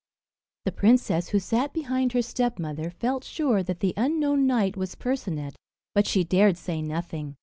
The princess, who sat behind her stepmother, felt sure that the unknown knight was Percinet; but she dared say nothing.